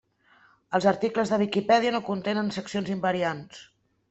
Els articles de Wikipedia no contenen seccions invariants.